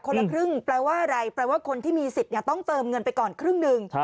ละครึ่งแปลว่าอะไรแปลว่าคนที่มีสิทธิ์ต้องเติมเงินไปก่อนครึ่งหนึ่ง